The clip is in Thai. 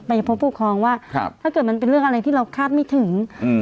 ไปพบผู้ครองว่าครับถ้าเกิดมันเป็นเรื่องอะไรที่เราคาดไม่ถึงอืม